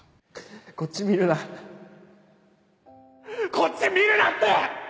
こっち見るなこっち見るなって‼